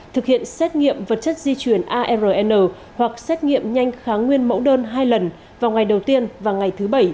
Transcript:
thực hiện xét nghiệm vật chất di chuyển arn hoặc xét nghiệm nhanh kháng nguyên mẫu đơn hai lần vào ngày đầu tiên và ngày thứ bảy